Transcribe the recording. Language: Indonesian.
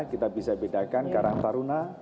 kita bisa bedakan karakter una